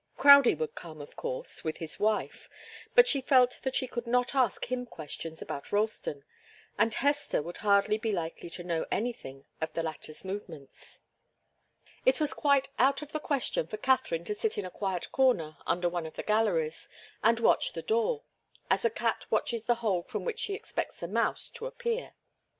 Crowdie would come, of course, with his wife, but she felt that she could not ask him questions about Ralston, and Hester would hardly be likely to know anything of the latter's movements. It was quite out of the question for Katharine to sit in a quiet corner under one of the galleries, and watch the door, as a cat watches the hole from which she expects a mouse to appear.